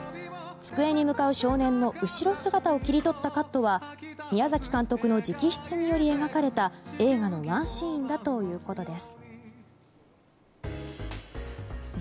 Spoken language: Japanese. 机に向かう少年の後ろ姿を切り取ったカットは宮崎監督の直筆により描かれた映画のワンシーンだということです。